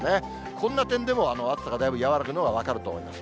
こんな点でも、暑さがだいぶ和らぐのは分かると思います。